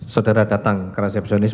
saudara datang ke resepsionis